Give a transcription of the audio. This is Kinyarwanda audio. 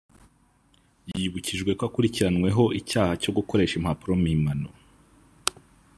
yibukijwe ko akurikirwanweho icyaha cyo gukoresha impapuro mpimbano